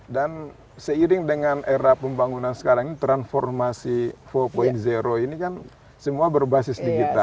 dan seiring dengan era pembangunan sekarang ini transformasi empat ini kan semua berbasis digital